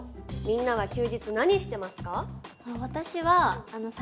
みんなは休日何してますか？